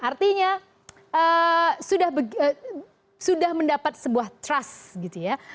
artinya sudah mendapat sebuah trust gitu ya